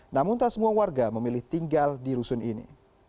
namun tak semua warga memilih tinggal di rusun ini